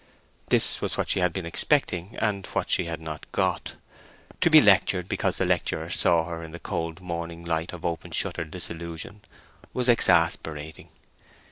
This was what she had been expecting, and what she had not got. To be lectured because the lecturer saw her in the cold morning light of open shuttered disillusion was exasperating.